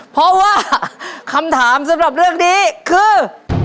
เพราะว่าคำถามสำหรับเรื่องนี้คือ